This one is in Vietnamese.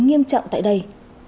nghiêm trọng tại đây